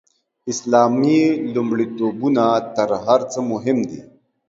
اسلامي لومړیتوبونه تر هر څه مهم دي.